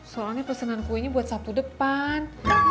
soalnya pesenan kue ini buat sabtu depan